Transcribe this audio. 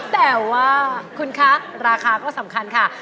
แต่ว่าคุณคะราคาก็สำคัญค่ะ